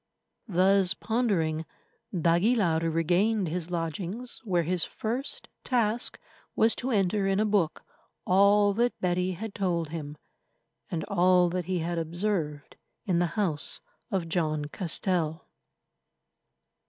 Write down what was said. Thus pondering, d'Aguilar regained his lodgings, where his first task was to enter in a book all that Betty had told him, and all that he had observed in the house of John Castell.